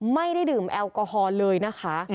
ไม่ได้ดื่มแอลกอฮอล์เลยนะคะ